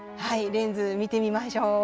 レンズ見てみましょう。